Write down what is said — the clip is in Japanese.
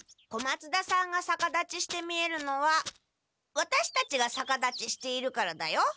小松田さんがさか立ちして見えるのはワタシたちがさか立ちしているからだよ。